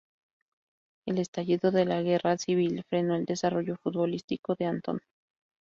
El estallido de la Guerra Civil frenó el desarrollo futbolístico de Antón.